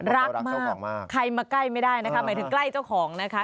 รักมากใครมาใกล้ไม่ได้นะคะหมายถึงใกล้เจ้าของนะคะ